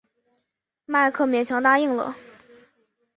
迈克勉强答应了。